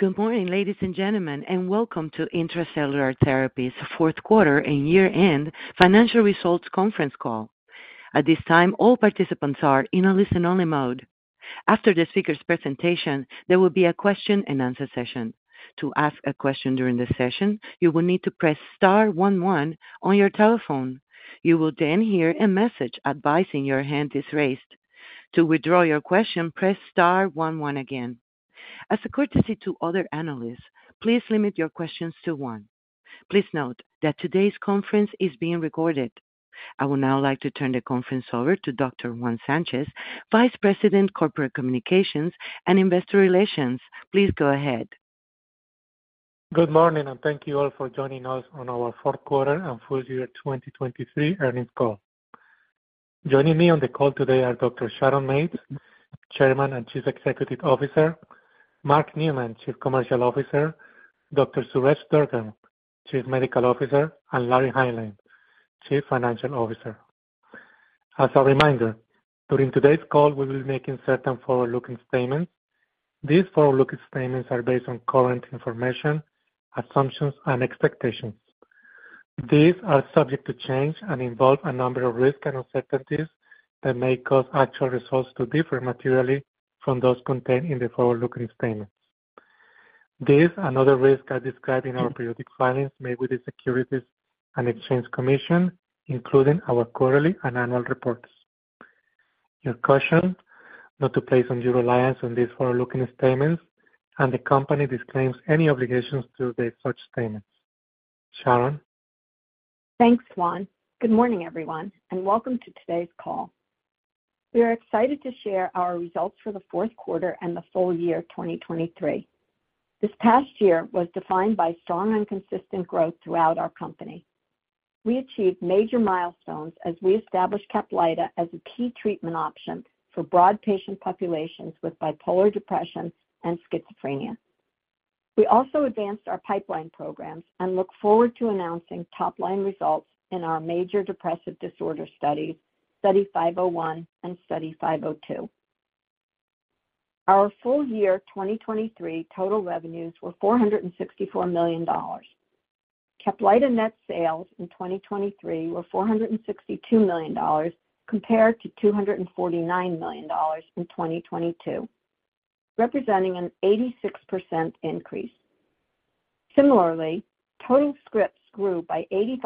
Good morning, ladies and gentlemen, and welcome to Intra-Cellular Therapies' fourth quarter and year-end financial results conference call. At this time, all participants are in a listen-only mode. After the speaker's presentation, there will be a question-and-answer session. To ask a question during the session, you will need to press star one one on your telephone. You will then hear a message advising your hand is raised. To withdraw your question, press star one one again. As a courtesy to other analysts, please limit your questions to one. Please note that today's conference is being recorded. I would now like to turn the conference over to Dr. Juan Sanchez, Vice President Corporate Communications and Investor Relations. Please go ahead. Good morning, and thank you all for joining us on our fourth quarter and full-year 2023 earnings call. Joining me on the call today are Dr. Sharon Mates, Chairman and Chief Executive Officer; Mark Neumann, Chief Commercial Officer; Dr. Suresh Durgam, Chief Medical Officer; and Larry Hineline, Chief Financial Officer. As a reminder, during today's call, we will be making certain forward-looking statements. These forward-looking statements are based on current information, assumptions, and expectations. These are subject to change and involve a number of risks and uncertainties that may cause actual results to differ materially from those contained in the forward-looking statements. These and other risks are described in our periodic filings made with the Securities and Exchange Commission, including our quarterly and annual reports. Your caution, not to place your reliance on these forward-looking statements, and the company disclaims any obligations to make such statements. Sharon? Thanks, Juan. Good morning, everyone, and welcome to today's call. We are excited to share our results for the fourth quarter and the full year 2023. This past year was defined by strong and consistent growth throughout our company. We achieved major milestones as we established CAPLYTA as a key treatment option for broad patient populations with bipolar depression and schizophrenia. We also advanced our pipeline programs and look forward to announcing top-line results in our major depressive disorder studies, Study 501 and Study 502. Our full year 2023 total revenues were $464 million. CAPLYTA net sales in 2023 were $462 million compared to $249 million in 2022, representing an 86% increase. Similarly, total scripts grew by 85%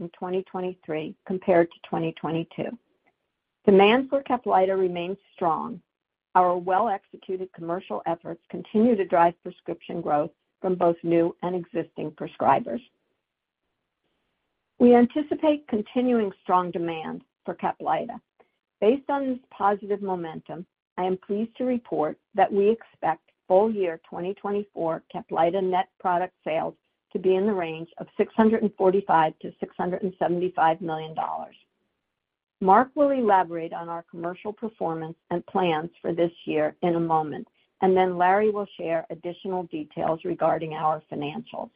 in 2023 compared to 2022. Demand for CAPLYTA remains strong. Our well-executed commercial efforts continue to drive prescription growth from both new and existing prescribers. We anticipate continuing strong demand for CAPLYTA. Based on this positive momentum, I am pleased to report that we expect full year 2024 CAPLYTA net product sales to be in the range of $645 million-$675 million. Mark will elaborate on our commercial performance and plans for this year in a moment, and then Larry will share additional details regarding our financials.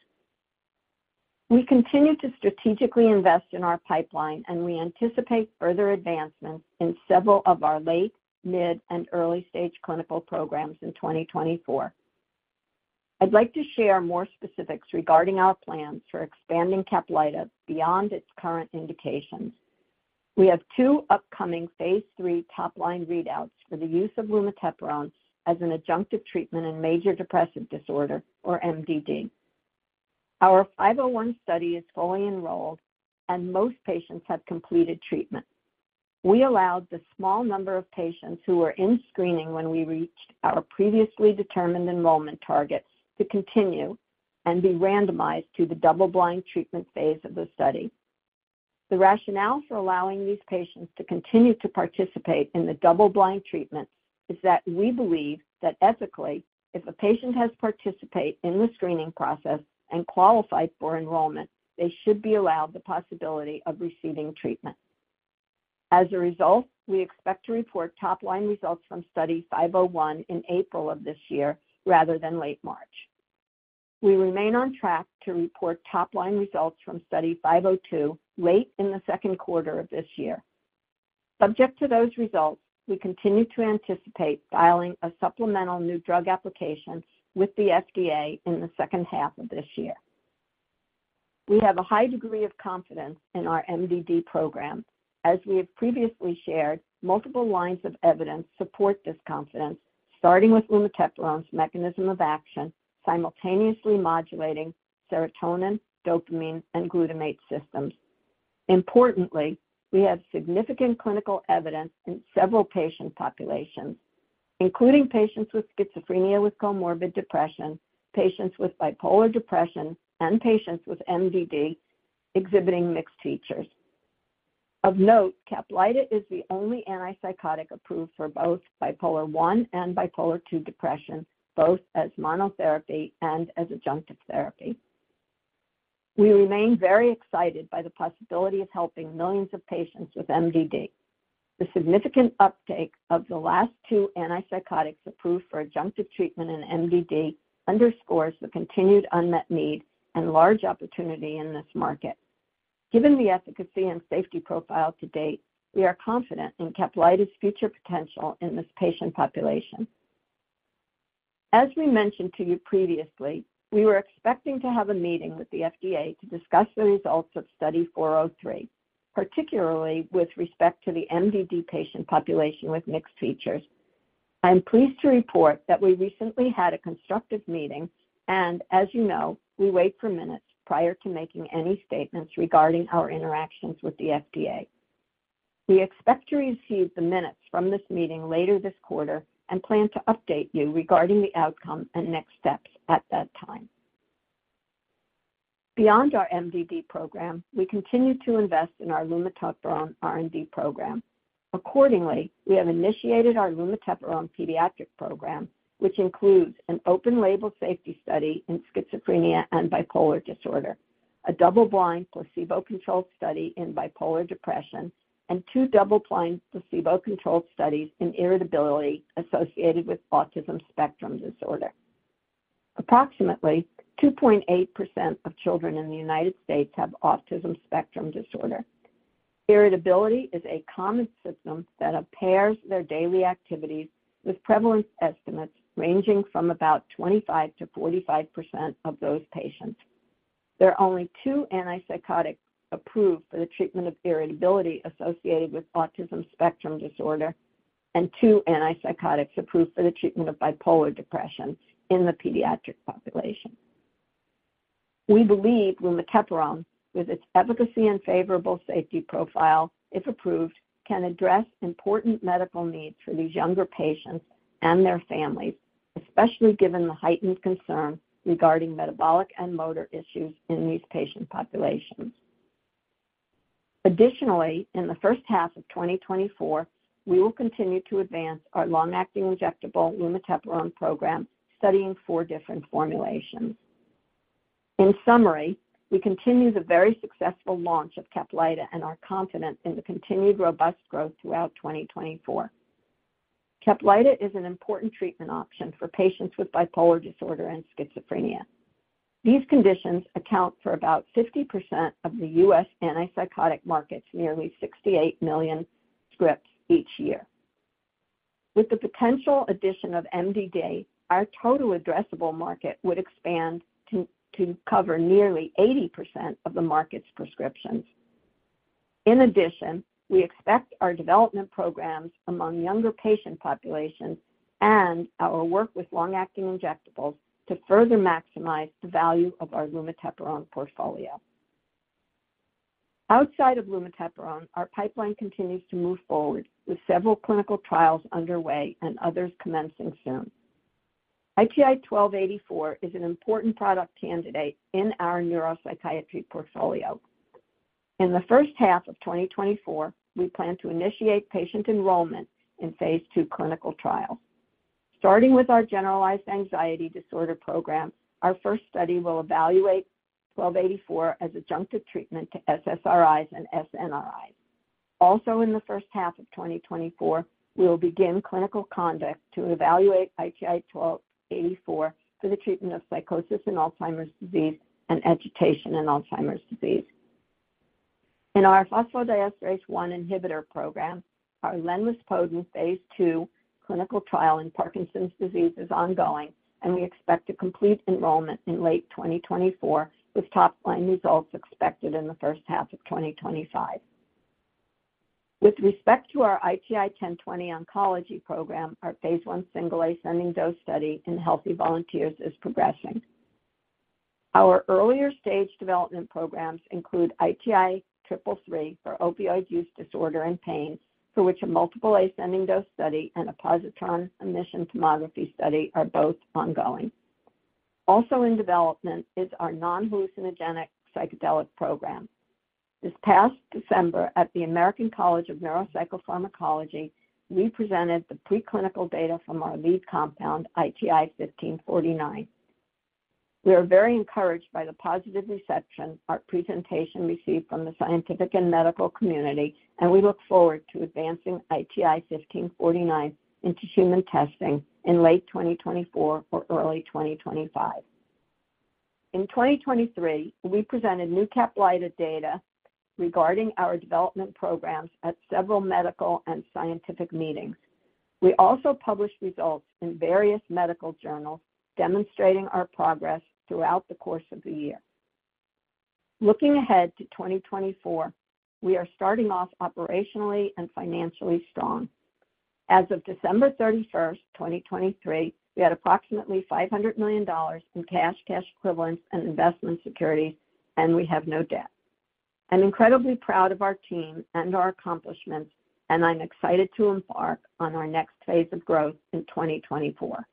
We continue to strategically invest in our pipeline, and we anticipate further advancements in several of our late, mid, and early-stage clinical programs in 2024. I'd like to share more specifics regarding our plans for expanding CAPLYTA beyond its current indications. We have two upcoming Phase III top-line readouts for the use of lumateperone as an adjunctive treatment in major depressive disorder, or MDD. Our 501 study is fully enrolled, and most patients have completed treatment. We allowed the small number of patients who were in screening when we reached our previously determined enrollment target to continue and be randomized to the double-blind treatment phase of the study. The rationale for allowing these patients to continue to participate in the double-blind treatment is that we believe that, ethically, if a patient has participated in the screening process and qualified for enrollment, they should be allowed the possibility of receiving treatment. As a result, we expect to report top-line results from Study 501 in April of this year rather than late March. We remain on track to report top-line results from Study 502 late in the second quarter of this year. Subject to those results, we continue to anticipate filing a supplemental new drug application with the FDA in the second half of this year. We have a high degree of confidence in our MDD program. As we have previously shared, multiple lines of evidence support this confidence, starting with lumateperone's mechanism of action simultaneously modulating serotonin, dopamine, and glutamate systems. Importantly, we have significant clinical evidence in several patient populations, including patients with schizophrenia with comorbid depression, patients with bipolar depression, and patients with MDD exhibiting mixed features. Of note, Caplyta is the only antipsychotic approved for both bipolar I and bipolar II depression, both as monotherapy and as adjunctive therapy. We remain very excited by the possibility of helping millions of patients with MDD. The significant uptake of the last two antipsychotics approved for adjunctive treatment in MDD underscores the continued unmet need and large opportunity in this market. Given the efficacy and safety profile to date, we are confident in Caplyta's future potential in this patient population. As we mentioned to you previously, we were expecting to have a meeting with the FDA to discuss the results of Study 403, particularly with respect to the MDD patient population with mixed features. I am pleased to report that we recently had a constructive meeting, and as you know, we wait for minutes prior to making any statements regarding our interactions with the FDA. We expect to receive the minutes from this meeting later this quarter and plan to update you regarding the outcome and next steps at that time. Beyond our MDD program, we continue to invest in our lumateperone R&D program. Accordingly, we have initiated our lumateperone pediatric program, which includes an open-label safety study in schizophrenia and bipolar disorder, a double-blind placebo-controlled study in bipolar depression, and two double-blind placebo-controlled studies in irritability associated with autism spectrum disorder. Approximately 2.8% of children in the United States have autism spectrum disorder. Irritability is a common symptom that impairs their daily activities, with prevalence estimates ranging from about 25%-45% of those patients. There are only two antipsychotics approved for the treatment of irritability associated with autism spectrum disorder and two antipsychotics approved for the treatment of bipolar depression in the pediatric population. We believe lumateperone, with its efficacy and favorable safety profile, if approved, can address important medical needs for these younger patients and their families, especially given the heightened concern regarding metabolic and motor issues in these patient populations. Additionally, in the first half of 2024, we will continue to advance our long-acting injectable lumateperone program, studying four different formulations. In summary, we continue the very successful launch of CAPLYTA and are confident in the continued robust growth throughout 2024. CAPLYTA is an important treatment option for patients with bipolar disorder and schizophrenia. These conditions account for about 50% of the U.S. antipsychotic market's nearly 68 million scripts each year. With the potential addition of MDD, our total addressable market would expand to cover nearly 80% of the market's prescriptions. In addition, we expect our development programs among younger patient populations and our work with long-acting injectables to further maximize the value of our lumateperone portfolio. Outside of lumateperone, our pipeline continues to move forward, with several clinical trials underway and others commencing soon. ITI-1284 is an important product candidate in our neuropsychiatry portfolio. In the first half of 2024, we plan to initiate patient enrollment in phase II clinical trials. Starting with our generalized anxiety disorder program, our first study will evaluate 1284 as adjunctive treatment to SSRIs and SNRIs. Also, in the first half of 2024, we will begin clinical conduct to evaluate ITI-1284 for the treatment of psychosis in Alzheimer's disease and agitation in Alzheimer's disease. In our phosphodiesterase 1 inhibitor program, our Lenrispodun phase II clinical trial in Parkinson's disease is ongoing, and we expect to complete enrollment in late 2024, with top-line results expected in the first half of 2025. With respect to our ITI-1020 oncology program, our phase I single ascending dose study in healthy volunteers is progressing. Our earlier stage development programs include ITI-333 for opioid use disorder and pain, for which a multiple ascending dose study and a positron emission tomography study are both ongoing. Also in development is our non-hallucinogenic psychedelic program. This past December, at the American College of Neuropsychopharmacology, we presented the preclinical data from our lead compound, ITI-1549. We are very encouraged by the positive reception our presentation received from the scientific and medical community, and we look forward to advancing ITI-1549 into human testing in late 2024 or early 2025. In 2023, we presented new CAPLYTA data regarding our development programs at several medical and scientific meetings. We also published results in various medical journals demonstrating our progress throughout the course of the year. Looking ahead to 2024, we are starting off operationally and financially strong. As of December 31, 2023, we had approximately $500 million in cash, cash equivalents, and investment securities, and we have no debt. I'm incredibly proud of our team and our accomplishments, and I'm excited to embark on our next phase of growth in 2024.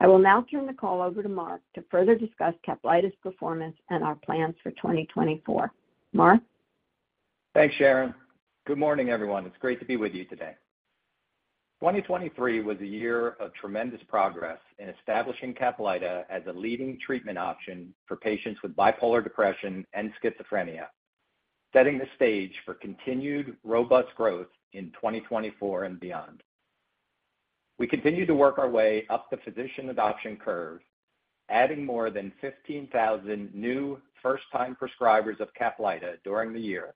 I will now turn the call over to Mark to further discuss CAPLYTA's performance and our plans for 2024. Mark? Thanks, Sharon. Good morning, everyone. It's great to be with you today. 2023 was a year of tremendous progress in establishing CAPLYTA as a leading treatment option for patients with bipolar depression and schizophrenia, setting the stage for continued robust growth in 2024 and beyond. We continue to work our way up the physician adoption curve, adding more than 15,000 new first-time prescribers of CAPLYTA during the year,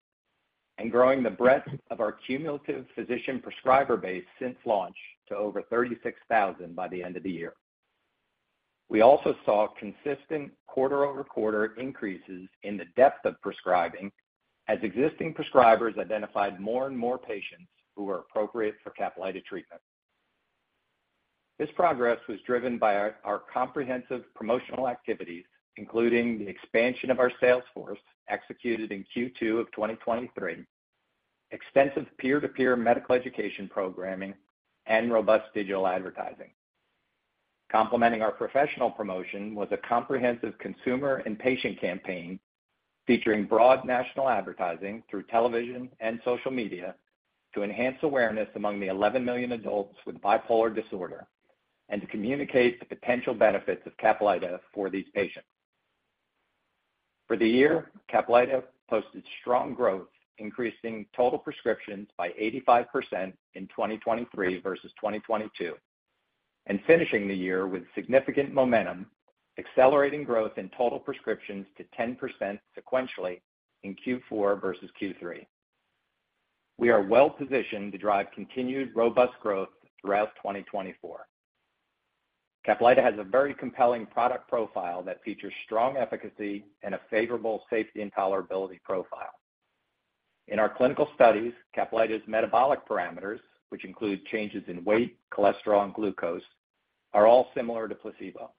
and growing the breadth of our cumulative physician prescriber base since launch to over 36,000 by the end of the year. We also saw consistent quarter-over-quarter increases in the depth of prescribing as existing prescribers identified more and more patients who were appropriate for CAPLYTA treatment. This progress was driven by our comprehensive promotional activities, including the expansion of our sales force executed in Q2 of 2023, extensive peer-to-peer medical education programming, and robust digital advertising. Complementing our professional promotion was a comprehensive consumer and patient campaign featuring broad national advertising through television and social media to enhance awareness among the 11 million adults with bipolar disorder and to communicate the potential benefits of CAPLYTA for these patients. For the year, CAPLYTA posted strong growth, increasing total prescriptions by 85% in 2023 versus 2022, and finishing the year with significant momentum, accelerating growth in total prescriptions to 10% sequentially in Q4 versus Q3. We are well positioned to drive continued robust growth throughout 2024. CAPLYTA has a very compelling product profile that features strong efficacy and a favorable safety and tolerability profile. In our clinical studies, CAPLYTA's metabolic parameters, which include changes in weight, cholesterol, and glucose, are all similar to placebo.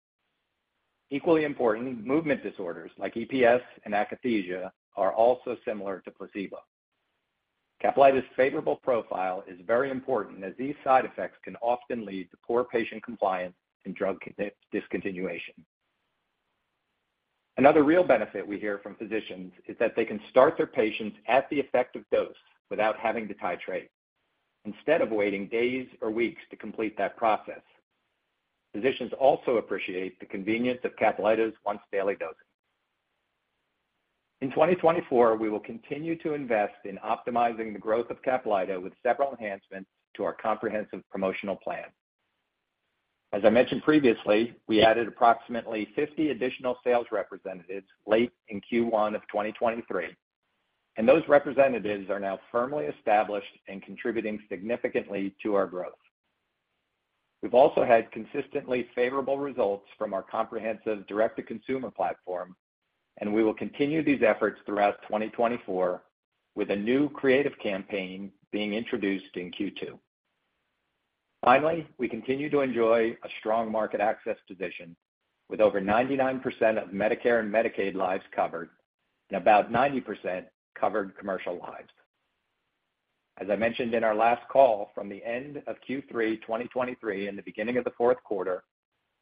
Equally important, movement disorders like EPS and akathisia are also similar to placebo. CAPLYTA's favorable profile is very important, as these side effects can often lead to poor patient compliance and drug discontinuation. Another real benefit we hear from physicians is that they can start their patients at the effective dose without having to titrate, instead of waiting days or weeks to complete that process. Physicians also appreciate the convenience of CAPLYTA's once-daily dosing. In 2024, we will continue to invest in optimizing the growth of CAPLYTA with several enhancements to our comprehensive promotional plan. As I mentioned previously, we added approximately 50 additional sales representatives late in Q1 of 2023, and those representatives are now firmly established and contributing significantly to our growth. We've also had consistently favorable results from our comprehensive direct-to-consumer platform, and we will continue these efforts throughout 2024 with a new creative campaign being introduced in Q2. Finally, we continue to enjoy a strong market access position with over 99% of Medicare and Medicaid lives covered and about 90% covered commercial lives. As I mentioned in our last call from the end of Q3 2023 and the beginning of the fourth quarter,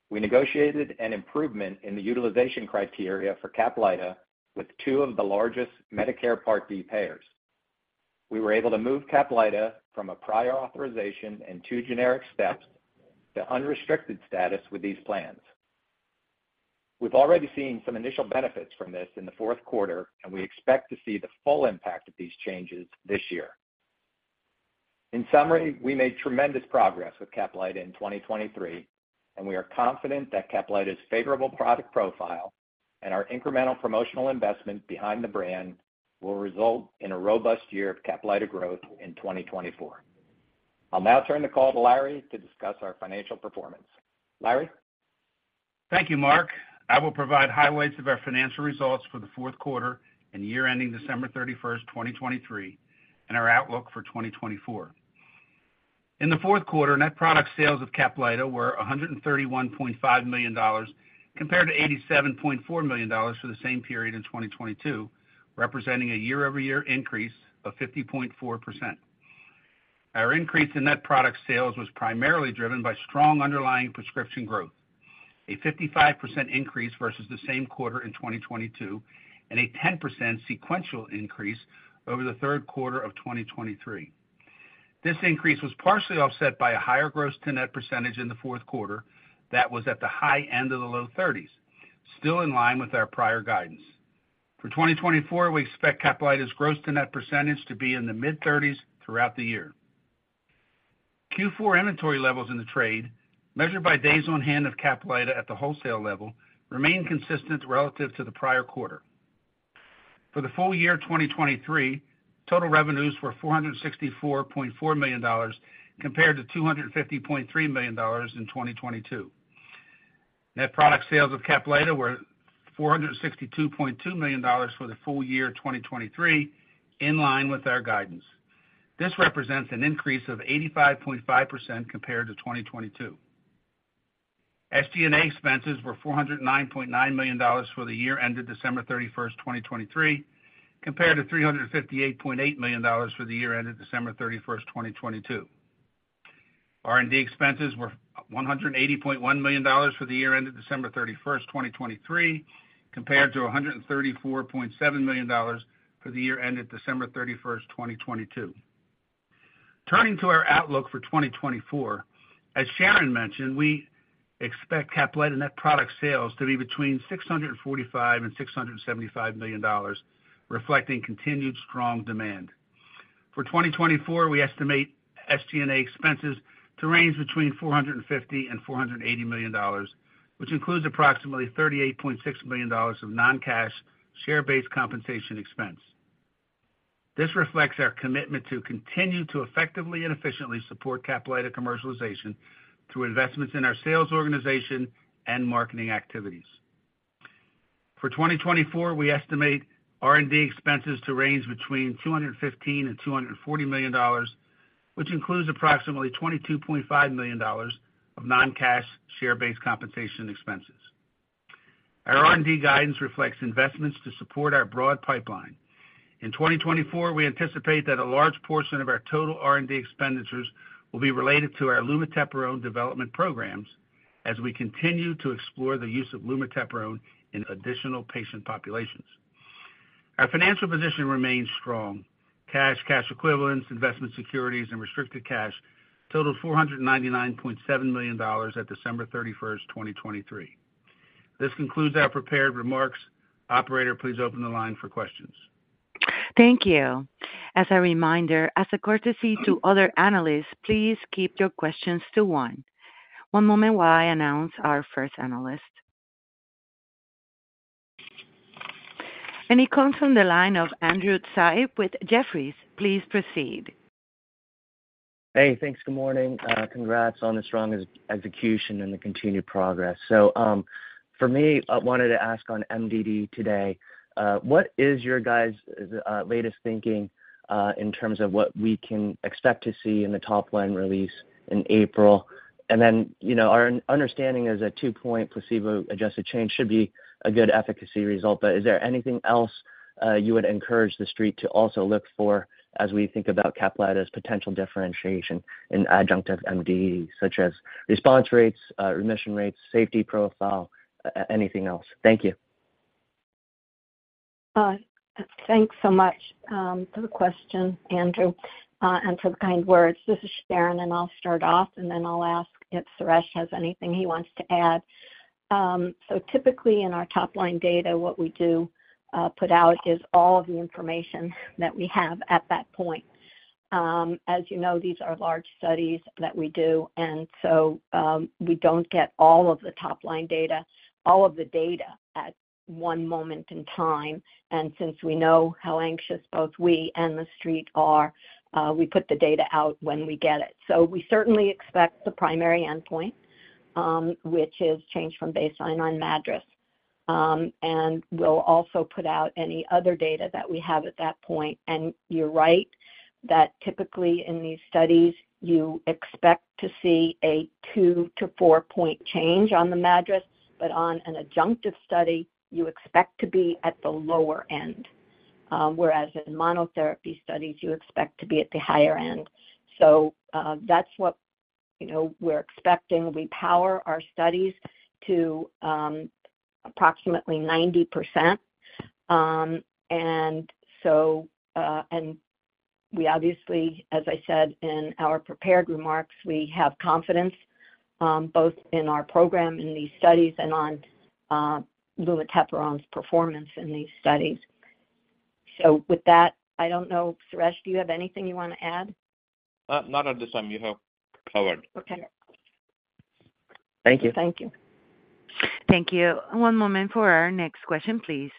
we negotiated an improvement in the utilization criteria for CAPLYTA with two of the largest Medicare Part D payers. We were able to move CAPLYTA from a prior authorization and two generic steps to unrestricted status with these plans. We've already seen some initial benefits from this in the fourth quarter, and we expect to see the full impact of these changes this year. In summary, we made tremendous progress with CAPLYTA in 2023, and we are confident that CAPLYTA's favorable product profile and our incremental promotional investment behind the brand will result in a robust year of CAPLYTA growth in 2024. I'll now turn the call to Larry to discuss our financial performance. Larry? Thank you, Mark. I will provide highlights of our financial results for the fourth quarter and year-ending December 31, 2023, and our outlook for 2024. In the fourth quarter, net product sales of CAPLYTA were $131.5 million compared to $87.4 million for the same period in 2022, representing a year-over-year increase of 50.4%. Our increase in net product sales was primarily driven by strong underlying prescription growth, a 55% increase versus the same quarter in 2022, and a 10% sequential increase over the third quarter of 2023. This increase was partially offset by a higher gross-to-net percentage in the fourth quarter that was at the high end of the low 30s, still in line with our prior guidance. For 2024, we expect CAPLYTA's gross-to-net percentage to be in the mid-30s throughout the year. Q4 inventory levels in the trade, measured by days on hand of CAPLYTA at the wholesale level, remain consistent relative to the prior quarter. For the full year 2023, total revenues were $464.4 million compared to $250.3 million in 2022. Net product sales of CAPLYTA were $462.2 million for the full year 2023, in line with our guidance. This represents an increase of 85.5% compared to 2022. SG&A expenses were $409.9 million for the year ended December 31, 2023, compared to $358.8 million for the year ended December 31, 2022. R&D expenses were $180.1 million for the year ended December 31, 2023, compared to $134.7 million for the year ended December 31, 2022. Turning to our outlook for 2024, as Sharon mentioned, we expect CAPLYTA net product sales to be between $645 million-$675 million, reflecting continued strong demand. For 2024, we estimate SG&A expenses to range between $450 million-$480 million, which includes approximately $38.6 million of non-cash share-based compensation expense. This reflects our commitment to continue to effectively and efficiently support CAPLYTA commercialization through investments in our sales organization and marketing activities. For 2024, we estimate R&D expenses to range between $215 million-$240 million, which includes approximately $22.5 million of non-cash share-based compensation expenses. Our R&D guidance reflects investments to support our broad pipeline. In 2024, we anticipate that a large portion of our total R&D expenditures will be related to our lumateperone development programs as we continue to explore the use of lumateperone in additional patient populations. Our financial position remains strong, cash, cash equivalents, investment securities, and restricted cash, totaled $499.7 million at December 31, 2023. This concludes our prepared remarks. Operator, please open the line for questions. Thank you. As a reminder, as a courtesy to other analysts, please keep your questions to one. One moment while I announce our first analyst. He comes from the line of Andrew Tsai with Jefferies. Please proceed. Hey, thanks. Good morning. Congrats on the strong execution and the continued progress. So for me, I wanted to ask on MDD today, what is your guys' latest thinking in terms of what we can expect to see in the top-line release in April? And then our understanding is a 2-point placebo-adjusted change should be a good efficacy result, but is there anything else you would encourage the street to also look for as we think about CAPLYTA's potential differentiation in adjunctive MDD, such as response rates, remission rates, safety profile, anything else? Thank you. Thanks so much for the question, Andrew, and for the kind words. This is Sharon, and I'll start off, and then I'll ask if Suresh has anything he wants to add. So typically, in our top-line data, what we do put out is all of the information that we have at that point. As you know, these are large studies that we do, and so we don't get all of the top-line data, all of the data at one moment in time. And since we know how anxious both we and the street are, we put the data out when we get it. So we certainly expect the primary endpoint, which is change from baseline on MADRS, and we'll also put out any other data that we have at that point. You're right that typically, in these studies, you expect to see a 2-4-point change on the MADRS, but on an adjunctive study, you expect to be at the lower end, whereas in monotherapy studies, you expect to be at the higher end. So that's what we're expecting. We power our studies to approximately 90%. And we obviously, as I said in our prepared remarks, we have confidence both in our program in these studies and on lumateperone's performance in these studies. So with that, I don't know, Suresh, do you have anything you want to add? Not at this time. You have covered. Okay. Thank you. Thank you. Thank you. One moment for our next question, please.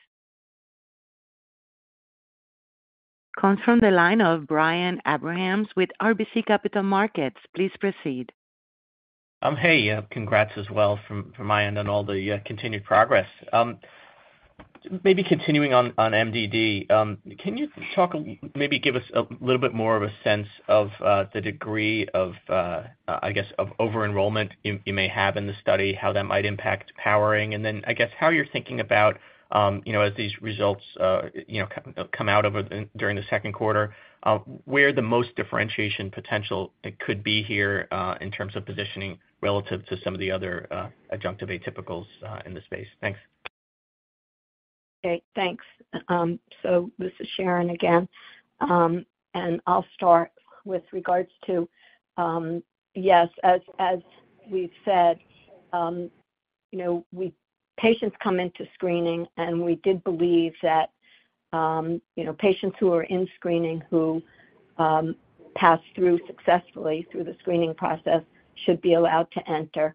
Comes from the line of Brian Abrahams with RBC Capital Markets. Please proceed. Hey, congrats as well from my end on all the continued progress. Maybe continuing on MDD, can you talk maybe give us a little bit more of a sense of the degree, I guess, of over-enrollment you may have in the study, how that might impact powering, and then, I guess, how you're thinking about, as these results come out during the second quarter, where the most differentiation potential could be here in terms of positioning relative to some of the other adjunctive atypicals in the space? Thanks. Okay, thanks. So this is Sharon again, and I'll start with regards to, yes, as we've said, patients come into screening, and we did believe that patients who are in screening who pass through successfully through the screening process should be allowed to enter.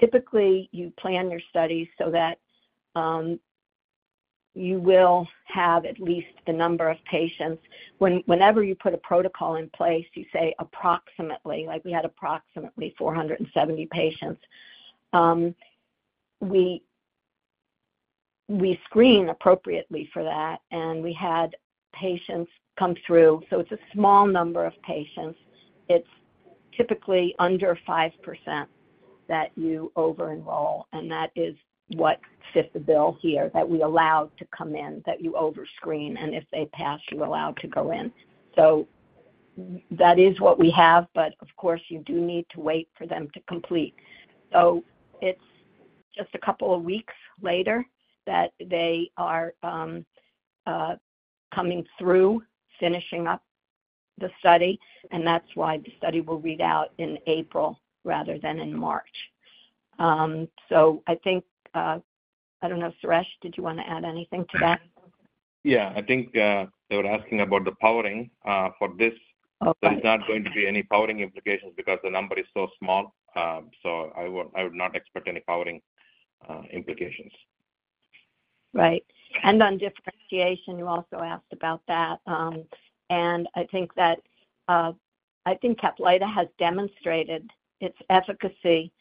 Typically, you plan your studies so that you will have at least the number of patients. Whenever you put a protocol in place, you say approximately, like we had approximately 470 patients. We screen appropriately for that, and we had patients come through. So it's a small number of patients. It's typically under 5% that you over-enroll, and that is what fits the bill here, that we allow to come in, that you overscreen, and if they pass, you're allowed to go in. So that is what we have, but of course, you do need to wait for them to complete. So it's just a couple of weeks later that they are coming through, finishing up the study, and that's why the study will read out in April rather than in March. So I think I don't know, Suresh, did you want to add anything to that? Yeah, I think they were asking about the powering. For this, there is not going to be any powering implications because the number is so small, so I would not expect any powering implications. Right. And on differentiation, you also asked about that. And I think CAPLYTA has demonstrated its efficacy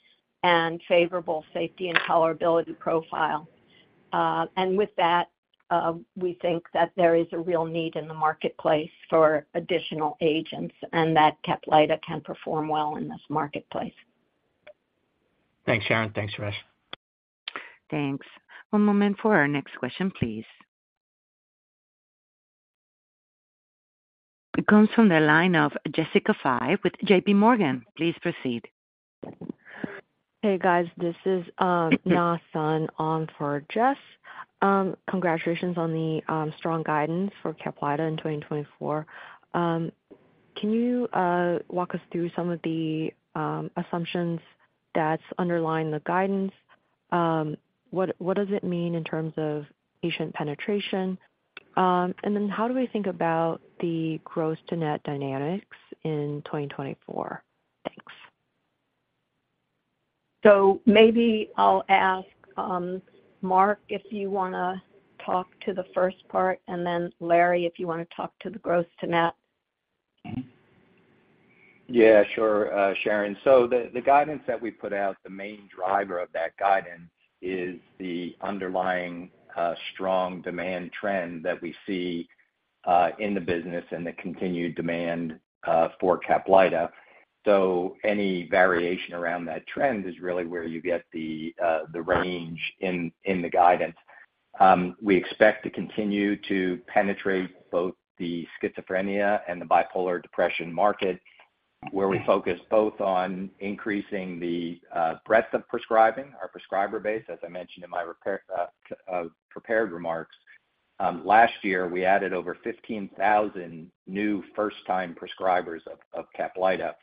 and favorable safety and tolerability profile. And with that, we think that there is a real need in the marketplace for additional agents and that CAPLYTA can perform well in this marketplace. Thanks, Sharon. Thanks, Suresh. Thanks. One moment for our next question, please. It comes from the line of Jessica Fye with JP Morgan. Please proceed. Hey, guys. This is Nasser on for Jess. Congratulations on the strong guidance for CAPLYTA in 2024. Can you walk us through some of the assumptions that underline the guidance? What does it mean in terms of patient penetration? And then how do we think about the gross-to-net dynamics in 2024? Thanks. Maybe I'll ask Mark if you want to talk to the first part, and then Larry if you want to talk to the gross-to-net. Yeah, sure, Sharon. So the guidance that we put out, the main driver of that guidance is the underlying strong demand trend that we see in the business and the continued demand for CAPLYTA. So any variation around that trend is really where you get the range in the guidance. We expect to continue to penetrate both the schizophrenia and the bipolar depression market, where we focus both on increasing the breadth of prescribing, our prescriber base, as I mentioned in my prepared remarks. Last year, we added over 15,000 new first-time prescribers of CAPLYTA.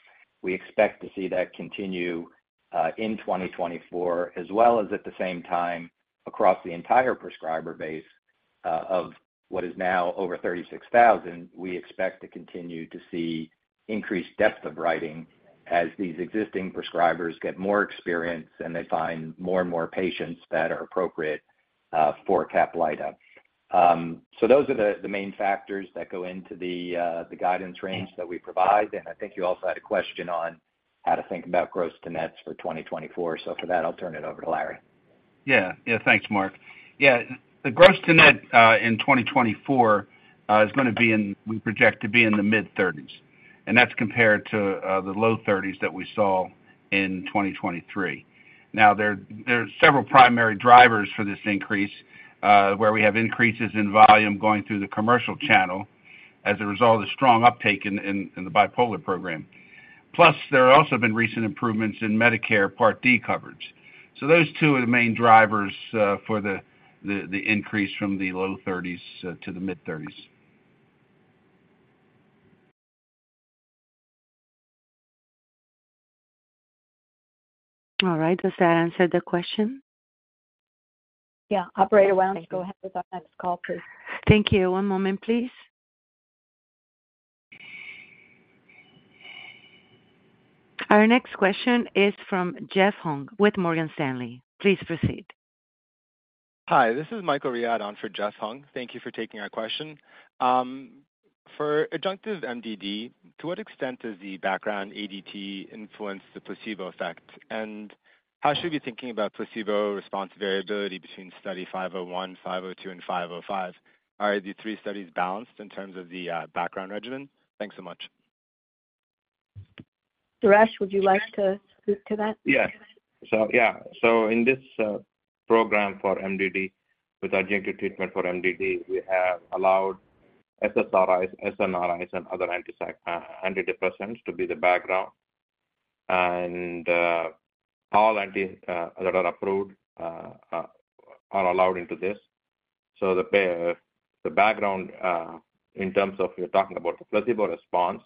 We expect to see that continue in 2024, as well as at the same time, across the entire prescriber base of what is now over 36,000, we expect to continue to see increased depth of writing as these existing prescribers get more experience and they find more and more patients that are appropriate for CAPLYTA. Those are the main factors that go into the guidance range that we provide. I think you also had a question on how to think about gross-to-nets for 2024. For that, I'll turn it over to Larry. Yeah, thanks, Mark. Yeah, the gross-to-net in 2024 is going to be in, we project, to be in the mid-30s, and that's compared to the low 30s that we saw in 2023. Now, there are several primary drivers for this increase, where we have increases in volume going through the commercial channel as a result of strong uptake in the bipolar program. Plus, there have also been recent improvements in Medicare Part D coverage. So those two are the main drivers for the increase from the low 30s to the mid-30s. All right. Does that answer the question? Yeah. Operator Wang, go ahead with our next call, please. Thank you. One moment, please. Our next question is from Jeff Hung with Morgan Stanley. Please proceed. Hi, this is Michael Riadi on for Jeff Hung. Thank you for taking our question. For adjunctive MDD, to what extent does the background ADT influence the placebo effect? And how should we be thinking about placebo response variability between study 501, 502, and 505? Are the three studies balanced in terms of the background regimen? Thanks so much. Suresh, would you like to speak to that? Yes. So yeah, so in this program for MDD, with adjunctive treatment for MDD, we have allowed SSRIs, SNRIs, and other antidepressants to be the background, and all that are approved are allowed into this. So the background in terms of you're talking about the placebo response,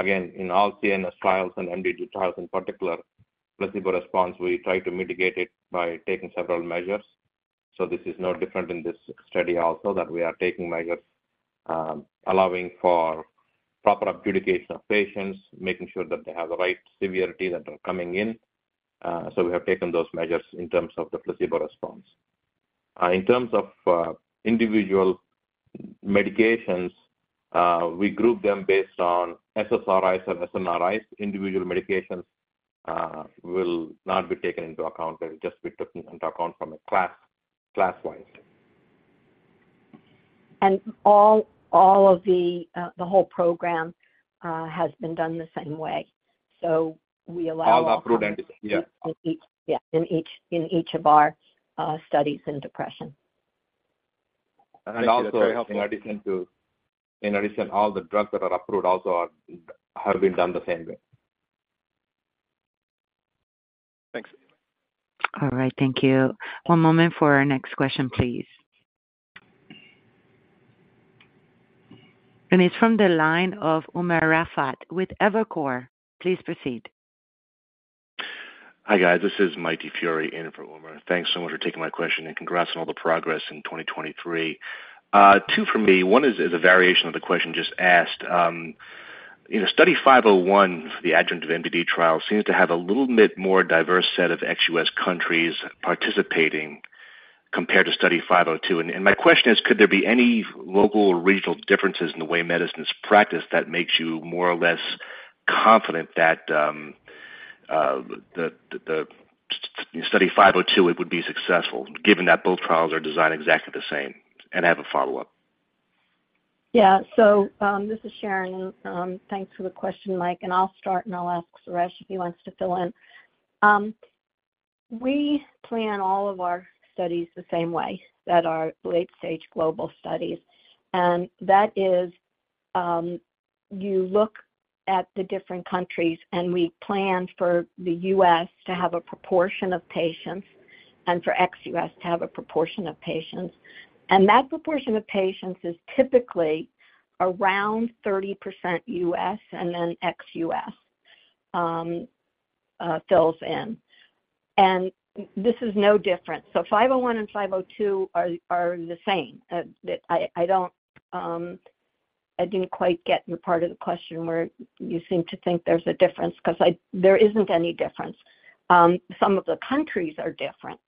again, in all CNS trials and MDD trials in particular, placebo response, we try to mitigate it by taking several measures. So this is no different in this study also, that we are taking measures allowing for proper adjudication of patients, making sure that they have the right severity that are coming in. So we have taken those measures in terms of the placebo response. In terms of individual medications, we group them based on SSRIs or SNRIs. Individual medications will not be taken into account. They'll just be taken into account from a class-wise. All of the whole program has been done the same way. So we allow. All the approved medicines. Yeah. Yeah, in each of our studies in depression. Also, in addition, all the drugs that are approved also have been done the same way. Thanks. All right. Thank you. One moment for our next question, please. It's from the line of Umer Raffat with Evercore. Please proceed. Hi, guys. This is Mikey Fury in for Umer. Thanks so much for taking my question, and congrats on all the progress in 2023. Two for me. One is a variation of the question just asked. Study 501, the adjunctive MDD trial, seems to have a little bit more diverse set of ex-U.S. countries participating compared to Study 502. And my question is, could there be any local or regional differences in the way medicine is practiced that makes you more or less confident that Study 502 would be successful, given that both trials are designed exactly the same? And I have a follow-up. Yeah. So this is Sharon. Thanks for the question, Mike. And I'll start, and I'll ask Suresh if he wants to fill in. We plan all of our studies the same way, that are late-stage global studies. And that is, you look at the different countries, and we plan for the U.S. to have a proportion of patients and for ex-U.S. to have a proportion of patients. And that proportion of patients is typically around 30% U.S. and then ex-U.S. fills in. And this is no different. So 501 and 502 are the same. I didn't quite get your part of the question where you seem to think there's a difference because there isn't any difference. Some of the countries are different,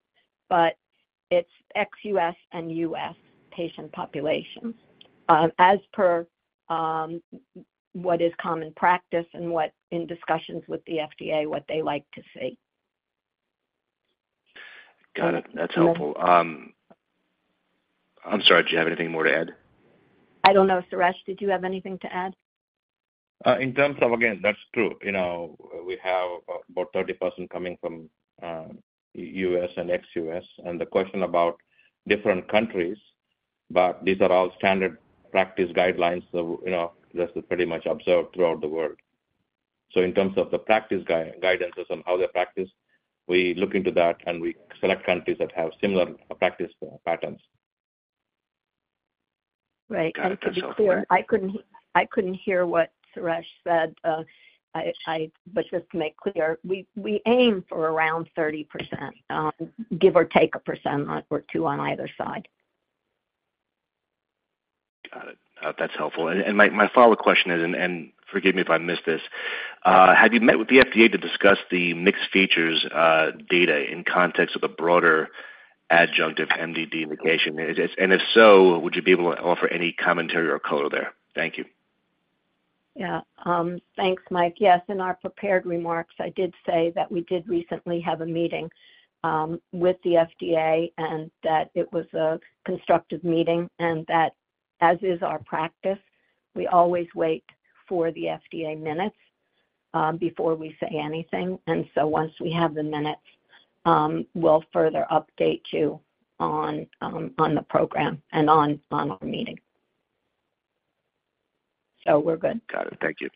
but it's ex-U.S. and U.S. patient populations, as per what is common practice and what, in discussions with the FDA, what they like to see. Got it. That's helpful. I'm sorry. Do you have anything more to add? I don't know. Suresh, did you have anything to add? In terms of again, that's true. We have about 30% coming from U.S. and ex-U.S. and the question about different countries, but these are all standard practice guidelines that's pretty much observed throughout the world. So in terms of the practice guidances on how they're practiced, we look into that, and we select countries that have similar practice patterns. Right. To be clear, I couldn't hear what Suresh said, but just to make clear, we aim for around 30%, give or take 1% or 2% on either side. Got it. That's helpful. My follow-up question is, and forgive me if I missed this, have you met with the FDA to discuss the mixed features data in context of the broader adjunctive MDD indication? If so, would you be able to offer any commentary or color there? Thank you. Yeah. Thanks, Mike. Yes, in our prepared remarks, I did say that we did recently have a meeting with the FDA and that it was a constructive meeting and that, as is our practice, we always wait for the FDA minutes before we say anything. And so once we have the minutes, we'll further update you on the program and on our meeting. So we're good. Got it. Thank you.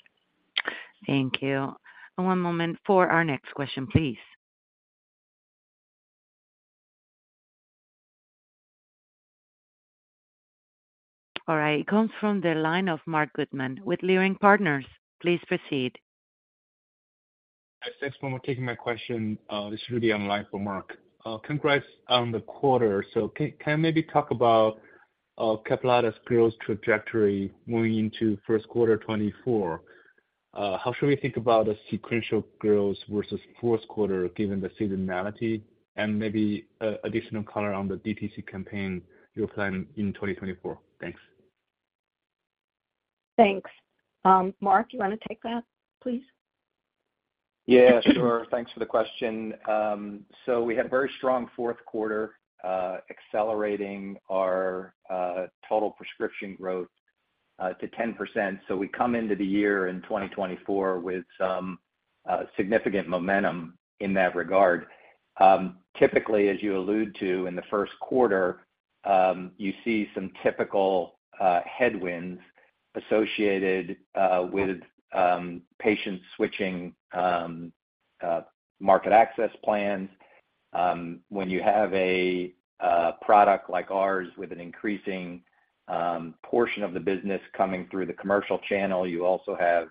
Thank you. One moment for our next question, please. All right. It comes from the line of Marc Goodman with Leerink Partners. Please proceed. Thanks for taking my question. This should be online for Marc. Congrats on the quarter. So can you maybe talk about CAPLYTA's growth trajectory moving into first quarter 2024? How should we think about a sequential growth versus fourth quarter, given the seasonality? And maybe additional color on the DTC campaign you're planning in 2024. Thanks. Thanks. Mark, you want to take that, please? Yeah, sure. Thanks for the question. So we had a very strong fourth quarter accelerating our total prescription growth to 10%. So we come into the year in 2024 with some significant momentum in that regard. Typically, as you allude to, in the first quarter, you see some typical headwinds associated with patients switching market access plans. When you have a product like ours with an increasing portion of the business coming through the commercial channel, you also have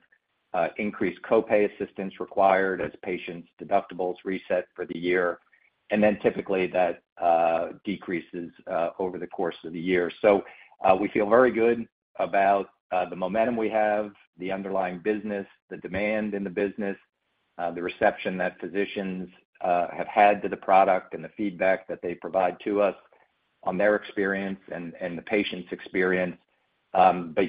increased copay assistance required as patients' deductibles reset for the year. And then typically, that decreases over the course of the year. So we feel very good about the momentum we have, the underlying business, the demand in the business, the reception that physicians have had to the product and the feedback that they provide to us on their experience and the patient's experience.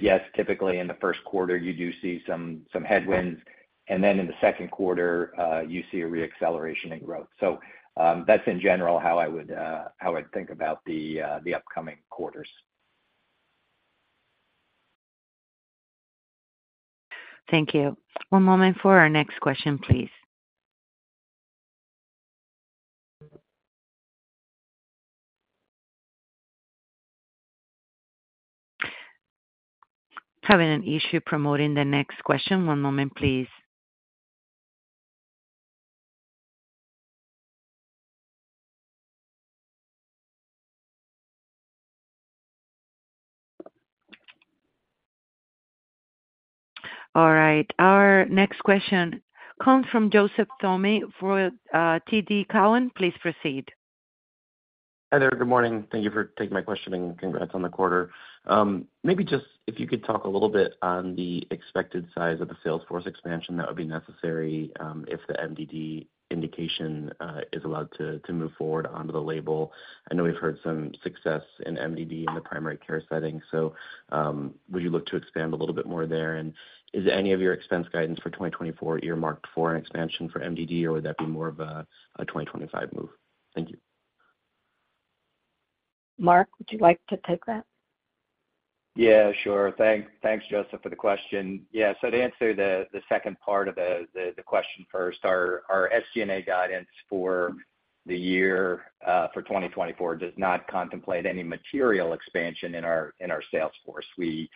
Yes, typically, in the first quarter, you do see some headwinds. Then in the second quarter, you see a reacceleration in growth. That's, in general, how I would think about the upcoming quarters. Thank you. One moment for our next question, please. Having an issue promoting the next question. One moment, please. All right. Our next question comes from Joseph Thome for TD Cowen. Please proceed. Hi there. Good morning. Thank you for taking my question, and congrats on the quarter. Maybe just if you could talk a little bit on the expected size of the sales force expansion that would be necessary if the MDD indication is allowed to move forward onto the label. I know we've heard some success in MDD in the primary care setting. So would you look to expand a little bit more there? And is any of your expense guidance for 2024 earmarked for an expansion for MDD, or would that be more of a 2025 move? Thank you. Mark, would you like to take that? Yeah, sure. Thanks, Joseph, for the question. Yeah. So to answer the second part of the question first, our SG&A guidance for the year for 2024 does not contemplate any material expansion in our sales force. We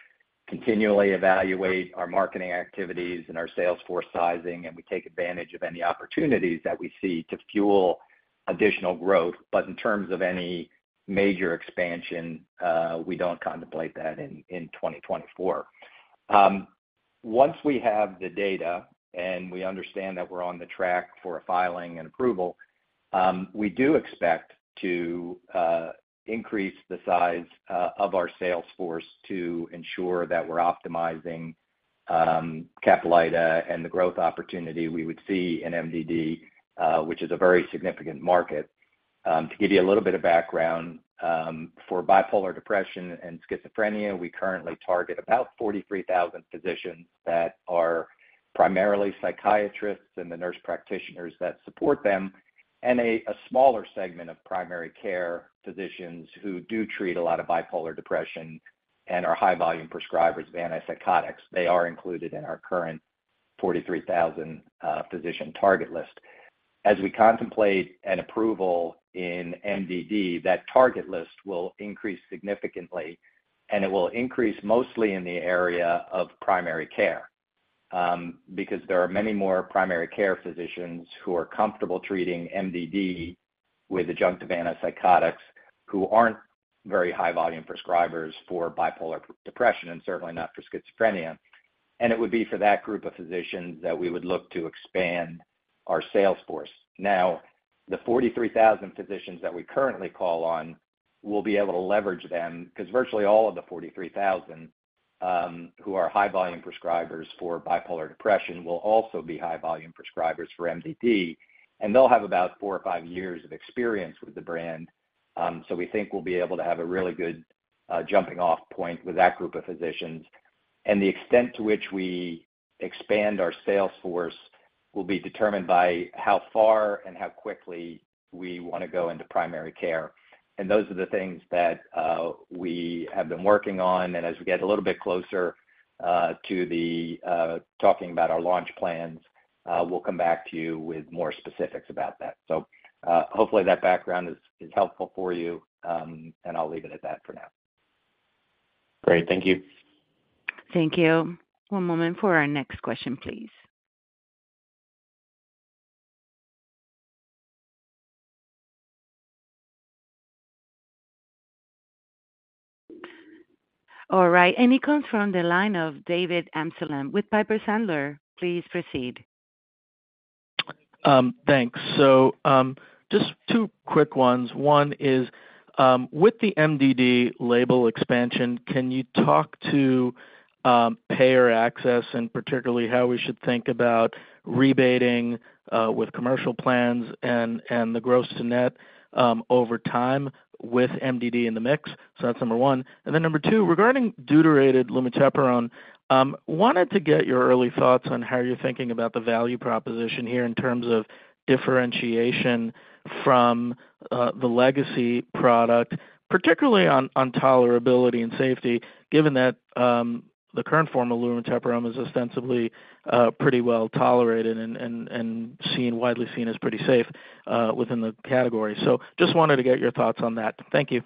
continually evaluate our marketing activities and our sales force sizing, and we take advantage of any opportunities that we see to fuel additional growth. But in terms of any major expansion, we don't contemplate that in 2024. Once we have the data and we understand that we're on the track for filing and approval, we do expect to increase the size of our sales force to ensure that we're optimizing CAPLYTA and the growth opportunity we would see in MDD, which is a very significant market. To give you a little bit of background, for bipolar depression and schizophrenia, we currently target about 43,000 physicians that are primarily psychiatrists and the nurse practitioners that support them, and a smaller segment of primary care physicians who do treat a lot of bipolar depression and are high-volume prescribers of antipsychotics. They are included in our current 43,000 physician target list. As we contemplate an approval in MDD, that target list will increase significantly, and it will increase mostly in the area of primary care because there are many more primary care physicians who are comfortable treating MDD with adjunctive antipsychotics who aren't very high-volume prescribers for bipolar depression and certainly not for schizophrenia. It would be for that group of physicians that we would look to expand our sales force. Now, the 43,000 physicians that we currently call on will be able to leverage them because virtually all of the 43,000 who are high-volume prescribers for bipolar depression will also be high-volume prescribers for MDD, and they'll have about four or five years of experience with the brand. So we think we'll be able to have a really good jumping-off point with that group of physicians. The extent to which we expand our sales force will be determined by how far and how quickly we want to go into primary care. Those are the things that we have been working on. As we get a little bit closer to talking about our launch plans, we'll come back to you with more specifics about that. So hopefully, that background is helpful for you, and I'll leave it at that for now. Great. Thank you. Thank you. One moment for our next question, please. All right. And it comes from the line of David Amsellem with Piper Sandler. Please proceed. Thanks. So just two quick ones. One is, with the MDD label expansion, can you talk to payer access and particularly how we should think about rebating with commercial plans and the gross-to-net over time with MDD in the mix? So that's number one. And then number two, regarding deuterated lumateperone, wanted to get your early thoughts on how you're thinking about the value proposition here in terms of differentiation from the legacy product, particularly on tolerability and safety, given that the current form of lumateperone is ostensibly pretty well tolerated and widely seen as pretty safe within the category. So just wanted to get your thoughts on that. Thank you.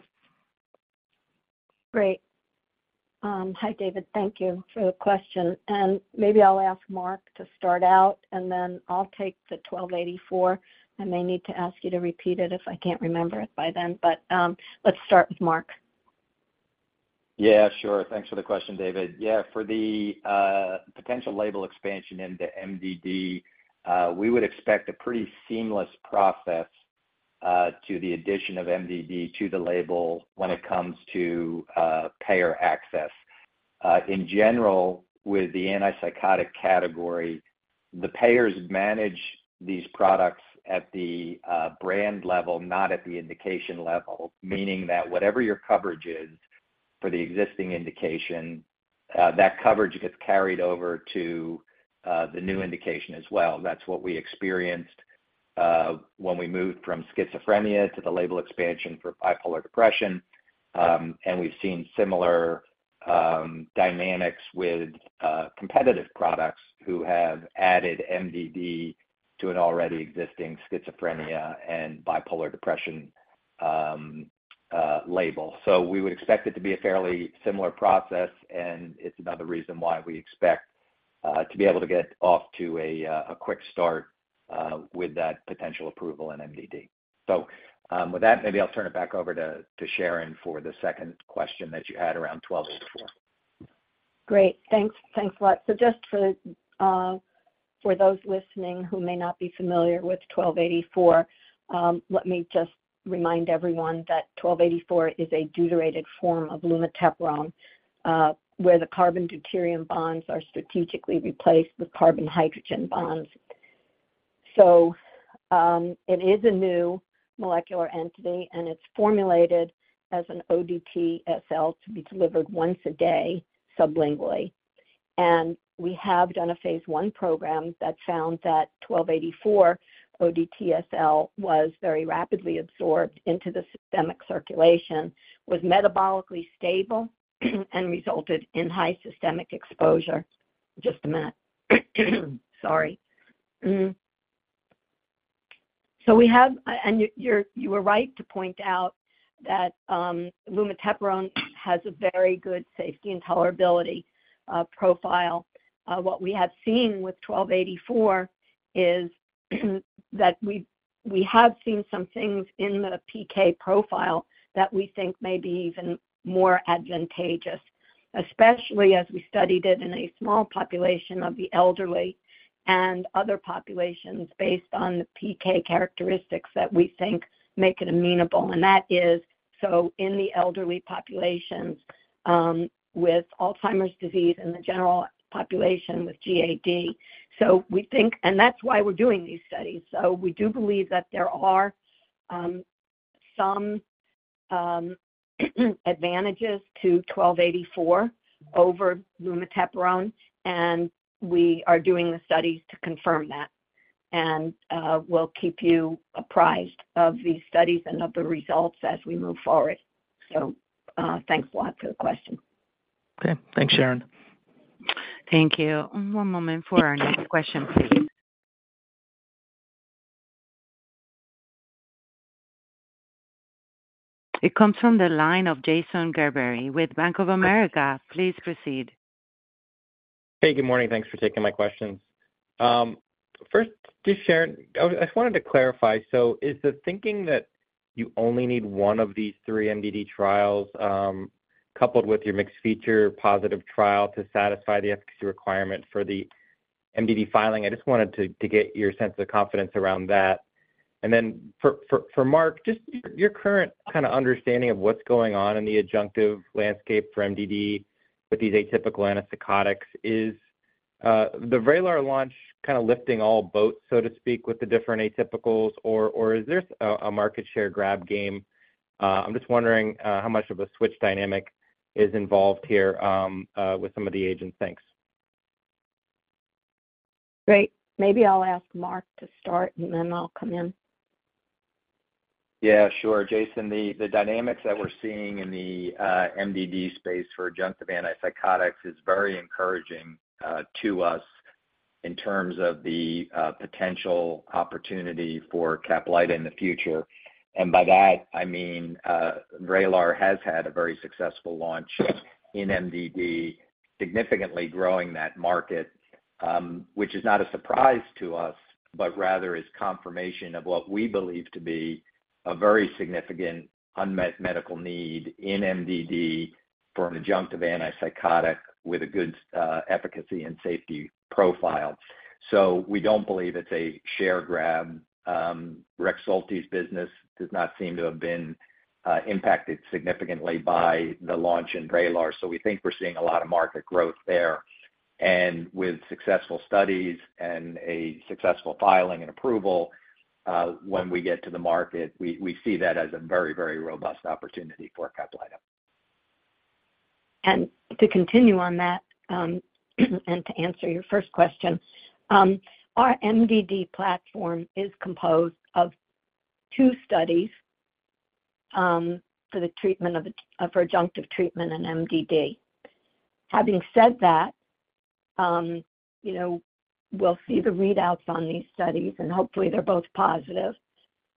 Great. Hi, David. Thank you for the question. Maybe I'll ask Mark to start out, and then I'll take the 1284. I may need to ask you to repeat it if I can't remember it by then. Let's start with Mark. Yeah, sure. Thanks for the question, David. Yeah, for the potential label expansion into MDD, we would expect a pretty seamless process to the addition of MDD to the label when it comes to payer access. In general, with the antipsychotic category, the payers manage these products at the brand level, not at the indication level, meaning that whatever your coverage is for the existing indication, that coverage gets carried over to the new indication as well. That's what we experienced when we moved from schizophrenia to the label expansion for bipolar depression. And we've seen similar dynamics with competitive products who have added MDD to an already existing schizophrenia and bipolar depression label. So we would expect it to be a fairly similar process, and it's another reason why we expect to be able to get off to a quick start with that potential approval in MDD. With that, maybe I'll turn it back over to Sharon for the second question that you had around 1284. Great. Thanks. Thanks a lot. So just for those listening who may not be familiar with 1284, let me just remind everyone that 1284 is a deuterated form of lumateperone where the carbon-deuterium bonds are strategically replaced with carbon-hydrogen bonds. So it is a new molecular entity, and it's formulated as an ODTSL to be delivered once a day sublingually. And we have done a phase 1 program that found that 1284 ODTSL was very rapidly absorbed into the systemic circulation, was metabolically stable, and resulted in high systemic exposure. Just a minute. Sorry. And you were right to point out that lumateperone has a very good safety and tolerability profile. What we have seen with 1284 is that we have seen some things in the PK profile that we think may be even more advantageous, especially as we studied it in a small population of the elderly and other populations based on the PK characteristics that we think make it amenable. That is so in the elderly populations with Alzheimer's disease and the general population with GAD. That's why we're doing these studies. We do believe that there are some advantages to 1284 over lumateperone, and we are doing the studies to confirm that. We'll keep you apprised of these studies and of the results as we move forward. Thanks a lot for the question. Okay. Thanks, Sharon. Thank you. One moment for our next question, please. It comes from the line of Jason Gerberry with Bank of America. Please proceed. Hey, good morning. Thanks for taking my questions. First, just Sharon, I wanted to clarify. So is the thinking that you only need one of these three MDD trials coupled with your mixed-feature positive trial to satisfy the efficacy requirement for the MDD filing? I just wanted to get your sense of confidence around that. And then for Mark, just your current kind of understanding of what's going on in the adjunctive landscape for MDD with these atypical antipsychotics, is the Vraylar launch kind of lifting all boats, so to speak, with the different atypicals, or is there a market share grab game? I'm just wondering how much of a switch dynamic is involved here with some of the agents. Great. Maybe I'll ask Mark to start, and then I'll come in. Yeah, sure. Jason, the dynamics that we're seeing in the MDD space for adjunctive antipsychotics is very encouraging to us in terms of the potential opportunity for CAPLYTA in the future. And by that, I mean Vraylar has had a very successful launch in MDD, significantly growing that market, which is not a surprise to us, but rather is confirmation of what we believe to be a very significant unmet medical need in MDD for an adjunctive antipsychotic with a good efficacy and safety profile. So we don't believe it's a share grab. Rexulti's business does not seem to have been impacted significantly by the launch in Vraylar. So we think we're seeing a lot of market growth there. And with successful studies and a successful filing and approval, when we get to the market, we see that as a very, very robust opportunity for CAPLYTA. To continue on that and to answer your first question, our MDD platform is composed of two studies for adjunctive treatment in MDD. Having said that, we'll see the readouts on these studies, and hopefully, they're both positive.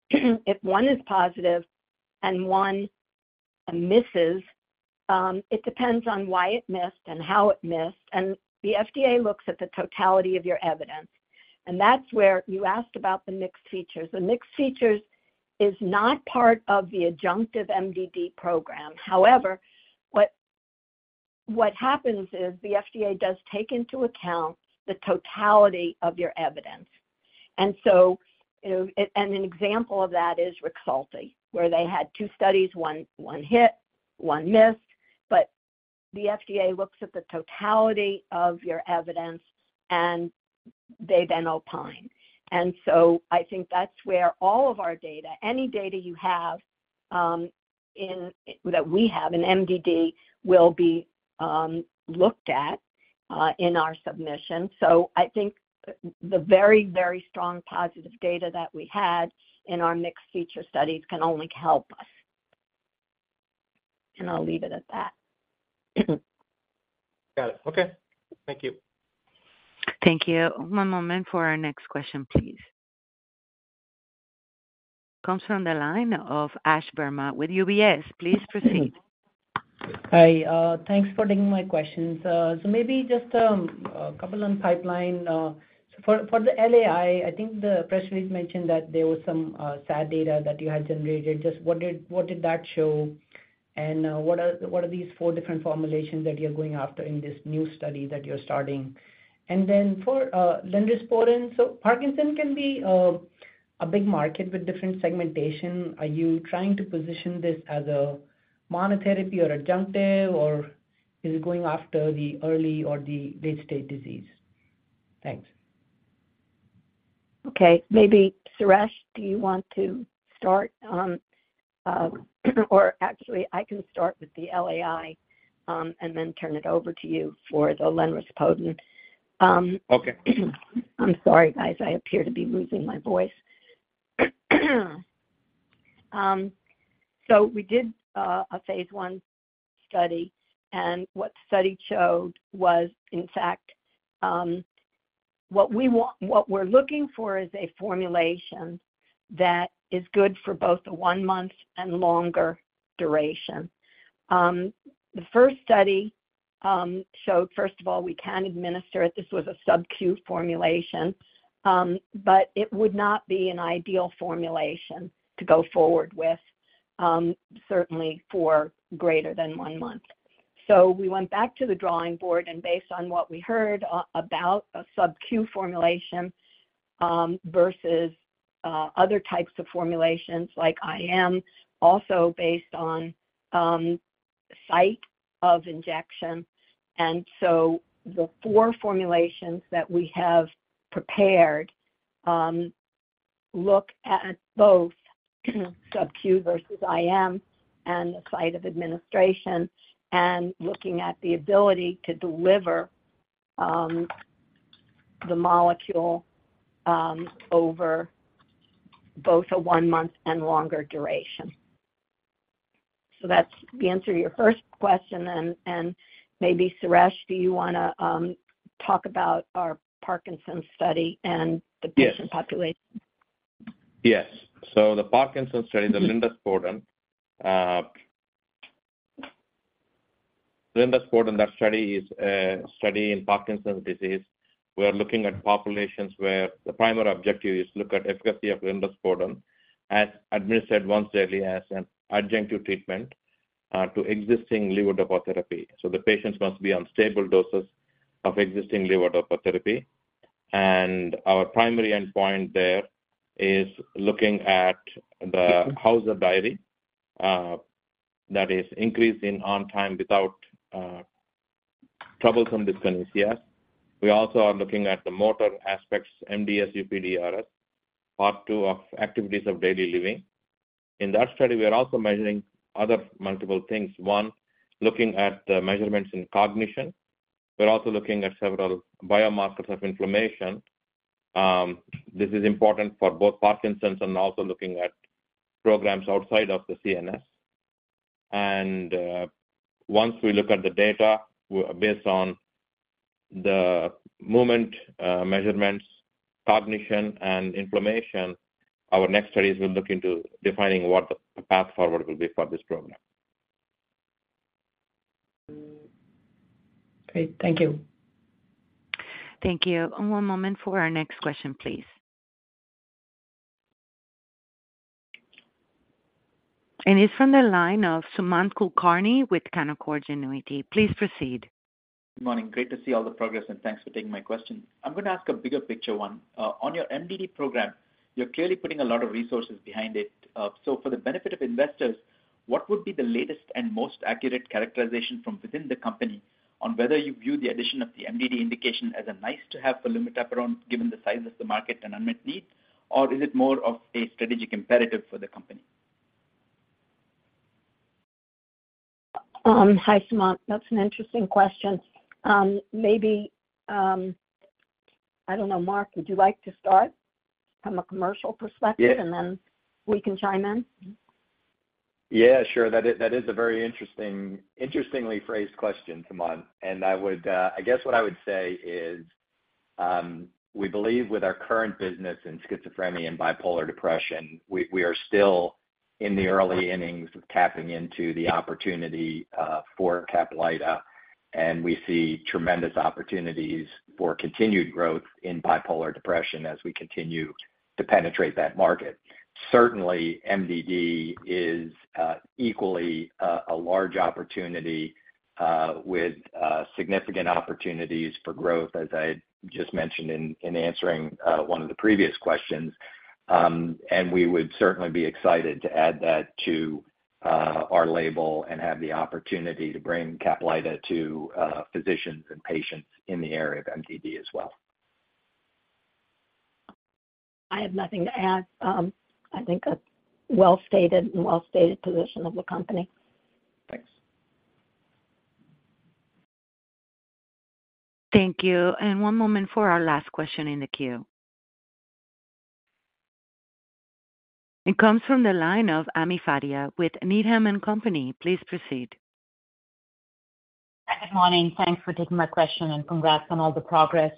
If one is positive and one misses, it depends on why it missed and how it missed. The FDA looks at the totality of your evidence. That's where you asked about the mixed features. The mixed features is not part of the adjunctive MDD program. However, what happens is the FDA does take into account the totality of your evidence. An example of that is Rexulti, where they had two studies. One hit, one missed. The FDA looks at the totality of your evidence, and they then opine. I think that's where all of our data, any data you have that we have in MDD, will be looked at in our submission. I think the very, very strong positive data that we had in our mixed-feature studies can only help us. I'll leave it at that. Got it. Okay. Thank you. Thank you. One moment for our next question, please. It comes from the line of Ash Verma with UBS. Please proceed. Hi. Thanks for taking my questions. So maybe just a couple on pipeline. So for the LAI, I think the press release mentioned that there was some SAD data that you had generated. Just what did that show? And what are these four different formulations that you're going after in this new study that you're starting? And then for Lenrispodun, so Parkinson's can be a big market with different segmentation. Are you trying to position this as a monotherapy or adjunctive, or is it going after the early or the late-stage disease? Thanks. Okay. Maybe Suresh, do you want to start? Or actually, I can start with the LAI and then turn it over to you for the Lenrispodun. I'm sorry, guys. I appear to be losing my voice. So we did a phase I study, and what the study showed was, in fact, what we're looking for is a formulation that is good for both the one-month and longer duration. The first study showed, first of all, we can administer it. This was a sub-Q formulation, but it would not be an ideal formulation to go forward with, certainly for greater than one month. So we went back to the drawing board, and based on what we heard about a sub-Q formulation versus other types of formulations like IM, also based on site of injection. The four formulations that we have prepared look at both sub-Q versus IM and the site of administration, and looking at the ability to deliver the molecule over both a one-month and longer duration. That's the answer to your first question. Maybe Suresh, do you want to talk about our Parkinson study and the patient population? Yes. So the Parkinson's study, the Lenrispodun, that study is a study in Parkinson's disease. We are looking at populations where the primary objective is to look at efficacy of Lenrispodun administered once daily as an adjunctive treatment to existing levodopa therapy. So the patients must be on stable doses of existing levodopa therapy. And our primary endpoint there is looking at the Hauser diary that is increased in on-time without troublesome dyskinesia. We also are looking at the motor aspects, MDS-UPDRS, part two of activities of daily living. In that study, we are also measuring other multiple things. One, looking at the measurements in cognition. We're also looking at several biomarkers of inflammation. This is important for both Parkinson's and also looking at programs outside of the CNS. Once we look at the data based on the movement measurements, cognition, and inflammation, our next studies will look into defining what the path forward will be for this program. Great. Thank you. Thank you. One moment for our next question, please. It's from the line of Sumant Kulkarni with Canaccord Genuity. Please proceed. Good morning. Great to see all the progress, and thanks for taking my question. I'm going to ask a bigger picture one. On your MDD program, you're clearly putting a lot of resources behind it. So for the benefit of investors, what would be the latest and most accurate characterization from within the company on whether you view the addition of the MDD indication as a nice-to-have for lumateperone given the size of the market and unmet need, or is it more of a strategic imperative for the company? Hi, Sumant. That's an interesting question. I don't know. Mark, would you like to start from a commercial perspective, and then we can chime in? Yeah, sure. That is a very interestingly phrased question, Sumant. And I guess what I would say is we believe with our current business in schizophrenia and bipolar depression, we are still in the early innings of tapping into the opportunity for CAPLYTA, and we see tremendous opportunities for continued growth in bipolar depression as we continue to penetrate that market. Certainly, MDD is equally a large opportunity with significant opportunities for growth, as I just mentioned in answering one of the previous questions. And we would certainly be excited to add that to our label and have the opportunity to bring CAPLYTA to physicians and patients in the area of MDD as well. I have nothing to add. I think a well-stated and well-stated position of the company. Thanks. Thank you. One moment for our last question in the queue. It comes from the line of Ami Fadia with Needham & Company. Please proceed. Good morning. Thanks for taking my question, and congrats on all the progress.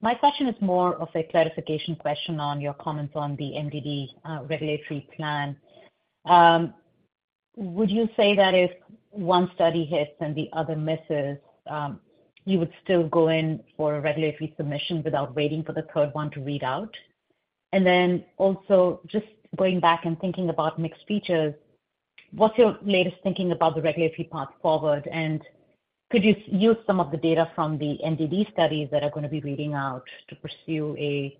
My question is more of a clarification question on your comments on the MDD regulatory plan. Would you say that if one study hits and the other misses, you would still go in for a regulatory submission without waiting for the third one to read out? And then also, just going back and thinking about mixed features, what's your latest thinking about the regulatory path forward? And could you use some of the data from the MDD studies that are going to be reading out to pursue a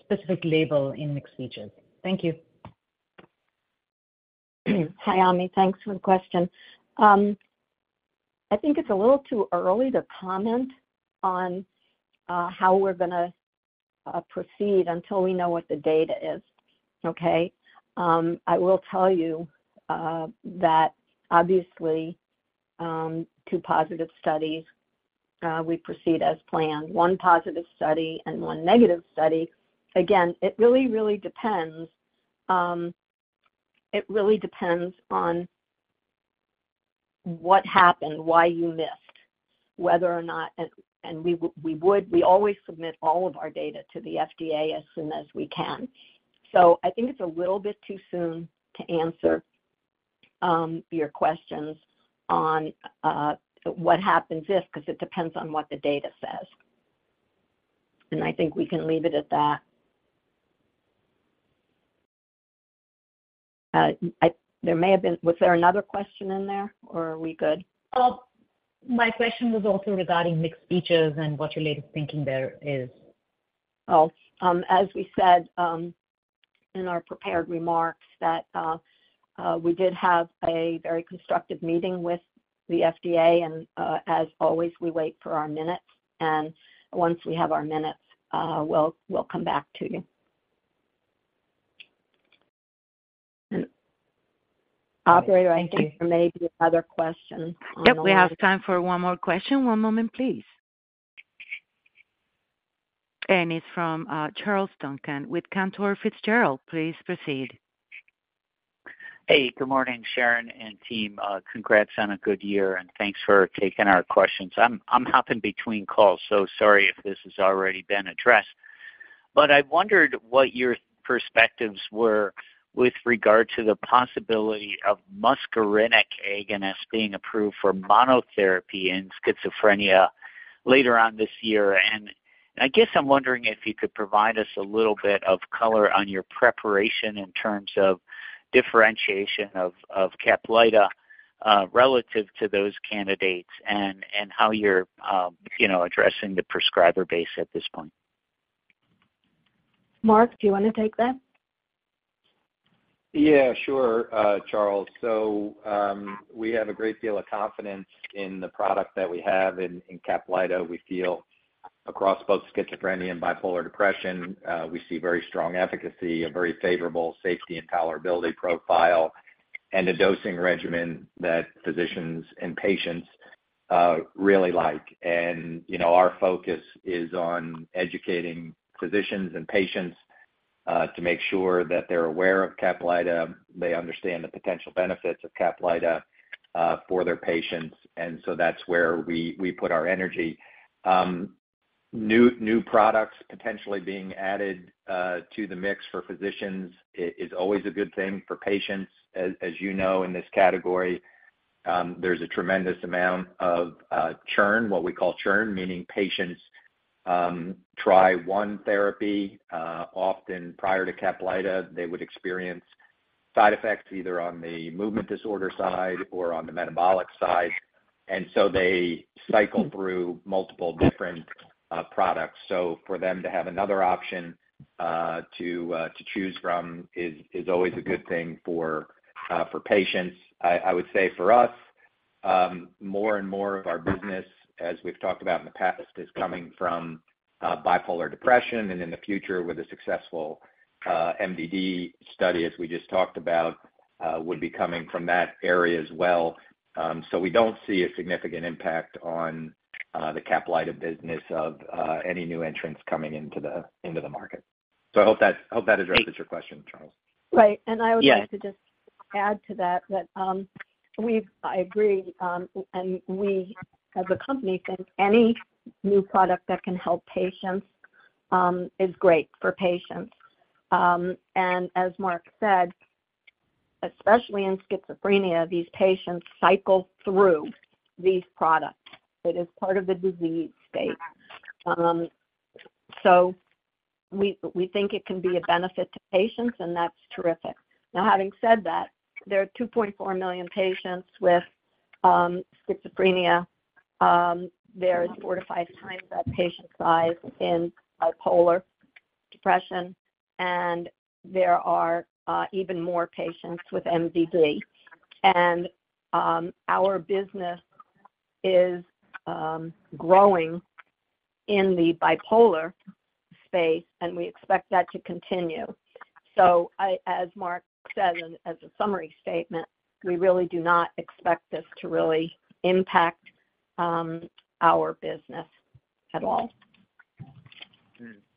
specific label in mixed features? Thank you. Hi, Amy. Thanks for the question. I think it's a little too early to comment on how we're going to proceed until we know what the data is, okay? I will tell you that, obviously, two positive studies, we proceed as planned. One positive study and one negative study. Again, it really, really depends. It really depends on what happened, why you missed, whether or not and we would. We always submit all of our data to the FDA as soon as we can. So I think it's a little bit too soon to answer your questions on what happens if because it depends on what the data says. And I think we can leave it at that. Was there another question in there, or are we good? My question was also regarding mixed features and what your latest thinking there is. Oh. As we said in our prepared remarks, that we did have a very constructive meeting with the FDA. As always, we wait for our minutes. Once we have our minutes, we'll come back to you. Operator, I think there may be another question. Yep. We have time for one more question. One moment, please. It's from Charles Duncan with Cantor Fitzgerald. Please proceed. Hey. Good morning, Sharon and team. Congrats on a good year, and thanks for taking our questions. I'm hopping between calls, so sorry if this has already been addressed. I wondered what your perspectives were with regard to the possibility of muscarinic agonists being approved for monotherapy in schizophrenia later on this year. I guess I'm wondering if you could provide us a little bit of color on your preparation in terms of differentiation of CAPLYTA relative to those candidates and how you're addressing the prescriber base at this point. Mark, do you want to take that? Yeah, sure, Charles. So we have a great deal of confidence in the product that we have in CAPLYTA. We feel across both schizophrenia and bipolar depression, we see very strong efficacy, a very favorable safety and tolerability profile, and a dosing regimen that physicians and patients really like. Our focus is on educating physicians and patients to make sure that they're aware of CAPLYTA. They understand the potential benefits of CAPLYTA for their patients. That's where we put our energy. New products potentially being added to the mix for physicians is always a good thing for patients. As you know, in this category, there's a tremendous amount of churn, what we call churn, meaning patients try one therapy. Often prior to CAPLYTA, they would experience side effects either on the movement disorder side or on the metabolic side. They cycle through multiple different products. So for them to have another option to choose from is always a good thing for patients. I would say for us, more and more of our business, as we've talked about in the past, is coming from bipolar depression. And in the future, with a successful MDD study, as we just talked about, would be coming from that area as well. So we don't see a significant impact on the CAPLYTA business of any new entrants coming into the market. So I hope that addresses your question, Charles. Right. I would like to just add to that that I agree. We, as a company, think any new product that can help patients is great for patients. As Mark said, especially in schizophrenia, these patients cycle through these products. It is part of the disease state. We think it can be a benefit to patients, and that's terrific. Now, having said that, there are 2.4 million patients with schizophrenia. There is 4-5 times that patient size in bipolar depression, and there are even more patients with MDD. Our business is growing in the bipolar space, and we expect that to continue. As Mark said, as a summary statement, we really do not expect this to really impact our business at all.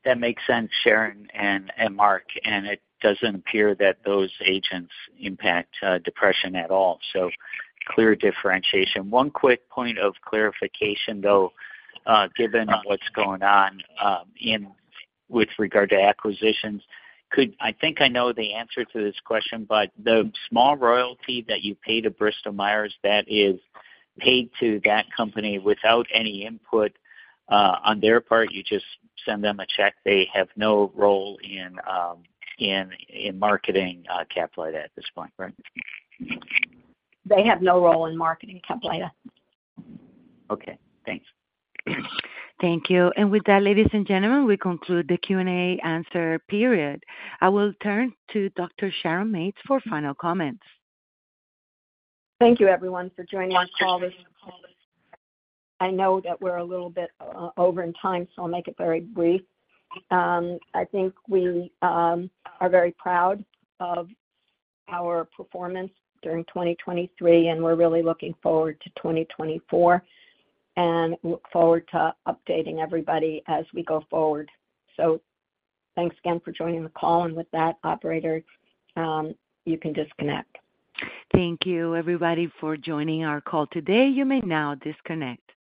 That makes sense, Sharon and Mark. It doesn't appear that those agents impact depression at all. Clear differentiation. One quick point of clarification, though, given what's going on with regard to acquisitions. I think I know the answer to this question, but the small royalty that you pay to Bristol-Myers, that is paid to that company without any input on their part. You just send them a check. They have no role in marketing CAPLYTA at this point, right? They have no role in marketing CAPLYTA. Okay. Thanks. Thank you. With that, ladies and gentlemen, we conclude the Q&A answer period. I will turn to Dr. Sharon Mates for final comments. Thank you, everyone, for joining our call. I know that we're a little bit over in time, so I'll make it very brief. I think we are very proud of our performance during 2023, and we're really looking forward to 2024 and look forward to updating everybody as we go forward. Thanks again for joining the call. With that, operator, you can disconnect. Thank you, everybody, for joining our call today. You may now disconnect.